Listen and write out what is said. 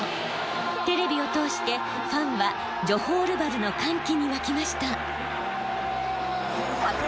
テレビを通してファンは「ジョホールバルの歓喜」に沸きました。